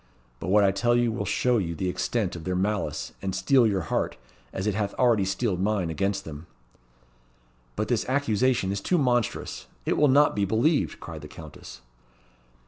But what I tell you will show you the extent of their malice, and steel your heart, as it hath already steeled mine, against them." "But this accusation is too monstrous. It will not be believed," cried the Countess.